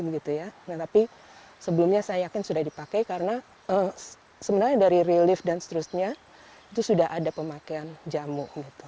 nah tapi sebelumnya saya yakin sudah dipakai karena sebenarnya dari relief dan seterusnya itu sudah ada pemakaian jamu